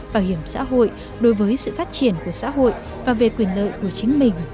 bảo hiểm xã hội đối với sự phát triển của xã hội và về quyền lợi của chính mình